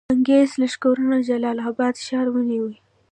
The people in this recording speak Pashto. انګرېز لښکرو جلال آباد ښار ونیوی.